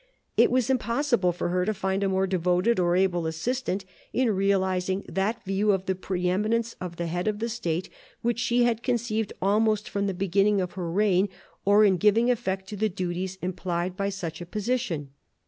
It was impossible for her to find a more devoted or able assistant in realising that view of the pre eminence of the head of the state, which she had conceived almost from the beginning of her reign, or in giving effect to the duties implied by such a position.